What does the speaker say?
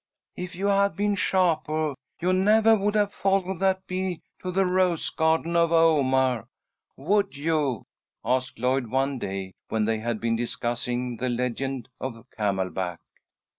"If you had been Shapur you nevah would have followed that bee to the Rose Garden of Omah, would you?" asked Lloyd, one day when they had been discussing the legend of Camelback.